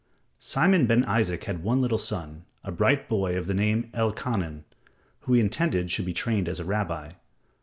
Simon ben Isaac had one little son, a bright boy of the name of Elkanan, who he intended should be trained as a rabbi.